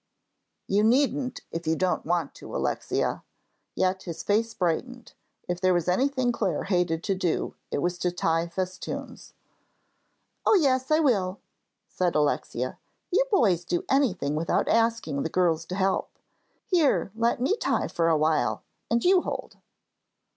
"You needn't if you don't want to, Alexia," yet his face brightened. If there was anything Clare hated to do it was to tie festoons. "Oh, yes, I will," said Alexia. "You boys do anything without asking the girls to help. Here, let me tie for a while, and you hold."